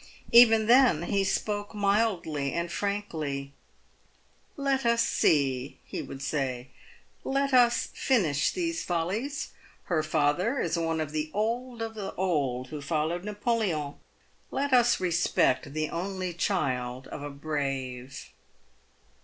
Even then he spoke mildly and frankly. " Let us see," he would say ;" let us finish these follies. Her father is one of the old of the old who followed Napoleon. Let us respect the only child of a brave."